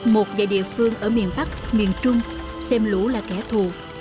một vài địa phương ở miền bắc miền trung xem lũ là kẻ thù